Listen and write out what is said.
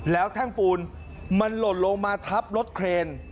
แล้วแท่งปูนมันหล่นลงมาทับรถเครน